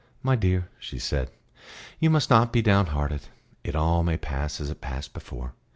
"My dear," she said, "you must not be downhearted. It all may pass as it passed before.